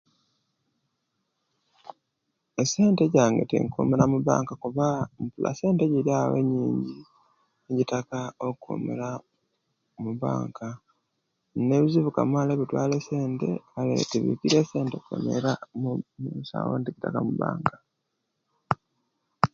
Esente jange tinkumira mubanka kuba npula essente egiri awo enyingi egitaka o'kuumira mubanka. Inina ebizibu Kamaala ebitwaala essente nayee, tibiikirirya essente okwemerera okuwera okutwala omubanka.